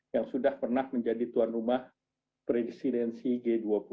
yang sudah pernah menjadi tuan rumah presidensi g dua puluh